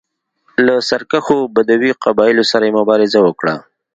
له سرکښو بدوي قبایلو سره یې مبارزه وکړه.